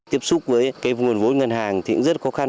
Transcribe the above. tiếp xúc với nguồn vốn ngân hàng thì cũng rất khó khăn